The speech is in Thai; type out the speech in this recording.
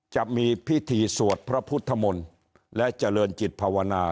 จะมีพิธีสวดพระพุทธมนต์และเจริญจิตภาวนา